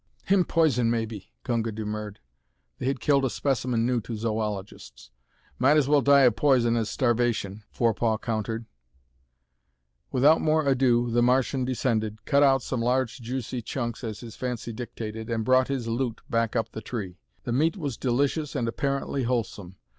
"Him poison, maybe," Gunga demurred. They had killed a specimen new to zoologists. "Might as well die of poison as starvation," Forepaugh countered. Without more ado the Martian descended, cut out some large, juicy chunks as his fancy dictated, and brought his loot back up the tree. The meat was delicious and apparently wholesome.